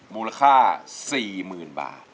มูลค่า๔๐๐๐บาท